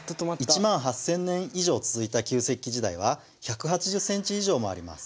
１万８，０００年以上続いた旧石器時代は１８０センチ以上もあります。